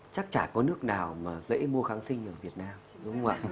chắc chả có nước nào dễ mua kháng sinh ở việt nam